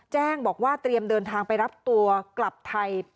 แจ้งบอกว่าเตรียมเดินทางไปรับตัวกลับไทย